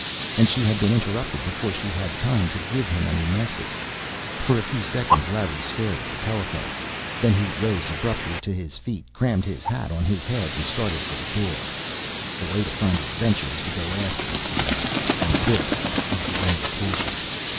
And she had been interrupted before she had time to give him any message. For a few seconds Larry stared at the telephone. Then he rose abruptly to his feet, crammed his hat on his head, and started for the door. "The way to find adventure is to go after it," he murmured. "And this is the invitation!"